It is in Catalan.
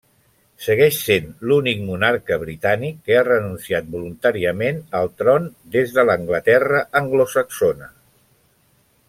Segueix sent l'únic monarca britànic que ha renunciat voluntàriament al tron des de l'Anglaterra anglosaxona.